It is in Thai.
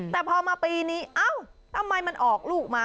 แต่พอมาปีนี้เอ้าทำไมมันออกลูกมา